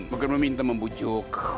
bukan meminta membujuk